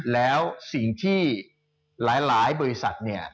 แล้วสิ่งที่หลายบริษัทเนี่ย